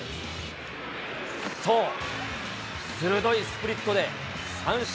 そう、鋭いスプリットで三振。